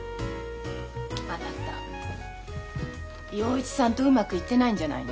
あなた洋一さんとうまくいってないんじゃないの？